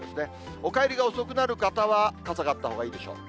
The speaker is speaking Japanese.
お帰りが遅くなる方は傘があったほうがいいでしょう。